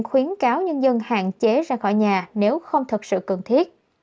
khuyến cáo nhân dân hạn chế ra khỏi nhà nếu không thật sự cần thiết